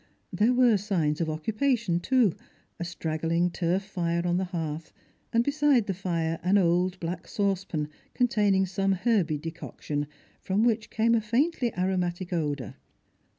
There were signs of occui^ation, too ; a strugghng turf fire on the hearth, and beside the fire an old black saucepan containing some herby decoction, from which came a faintly aromatic odour.